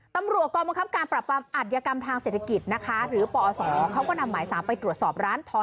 กำลังกรมกรรมการปรับปรับอัดยกรรมทางเศรษฐกิจนะคะหรือปสเขาก็นำหมายสามไปตรวจสอบร้านทอง